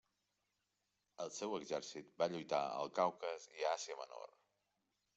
El seu exèrcit va lluitar al Caucas i a Àsia Menor.